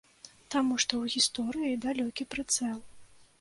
Таму што ў гісторыі далёкі прыцэл.